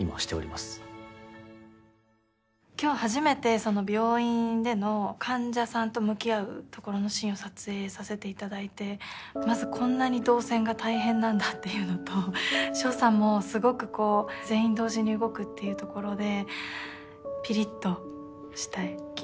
今日初めて病院での患者さんと向き合うシーンを撮影させていただいてまずこんなにどう線が大変なんだっていうのと所作もすごくこう全員同時に動くっていうところでぴりっとして緊張感があるシーンでした。